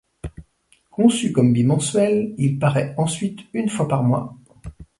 Conçu comme bimensuel, il parait ensuite une fois par mois.